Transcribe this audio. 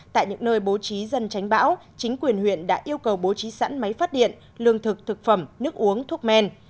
tại những nơi bố trí dân tránh bão chính quyền huyện đã yêu cầu bố trí sẵn máy phát điện lương thực thực phẩm nước uống thuốc men